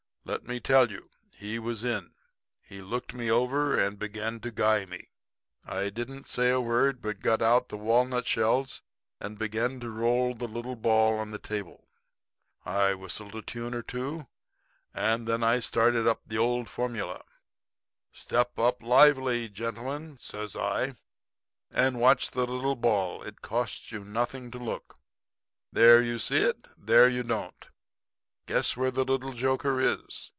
'Let me tell you. He was in. He looked me over and began to guy me. I didn't say a word, but got out the walnut shells and began to roll the little ball on the table. I whistled a tune or two, and then I started up the old formula. "'Step up lively, gentlemen,' says I, 'and watch the little ball. It costs you nothing to look. There you see it, and there you don't. Guess where the little joker is.